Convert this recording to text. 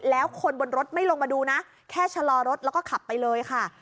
แล้วคนบนรถไม่ลงมาดูนะแค่ชะลอรถแล้วก็ขับไปเลยค่ะ